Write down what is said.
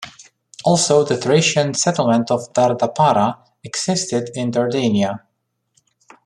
Also, the Thracian settlement of Dardapara existed in Dardania.